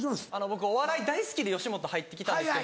僕お笑い大好きで吉本入ってきたんですけど。